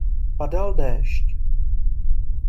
Padal déšť.